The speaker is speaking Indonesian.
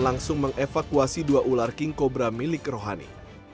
langsung mengevakuasi dua ular king cobra milik rohani